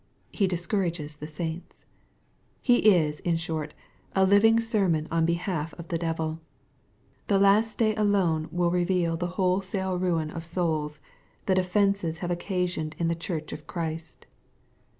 He discourages the saints. He is, in short, a living sermon on behalf of the deviL The last day alone will reveal the wholesale ruin of souls, that " offences" have occasioned in the Church of Christ.